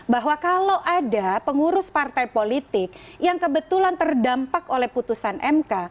bahwa kalau ada pengurus partai politik yang kebetulan terdampak oleh putusan mk